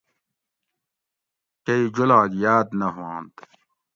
کئ جولاگ یاۤد نہ ہوانت